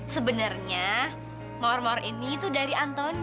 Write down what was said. sebenernya mawar mawar ini tuh dari antoni